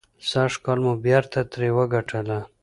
سږکال مو بېرته ترې وګټله.